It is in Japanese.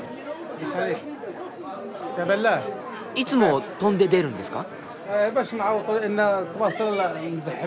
いつもとんで出るんですか？